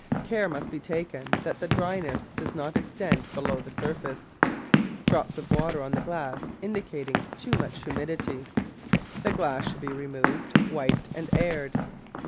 Care must be taken that the dry ness does not extend below the surface. Drops of water on the glass indicate too much humidity. The glass should be removed, wiped, and aired.